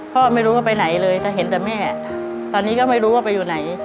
ไม่รู้ว่าไปไหนเลยถ้าเห็นแต่แม่ตอนนี้ก็ไม่รู้ว่าไปอยู่ไหน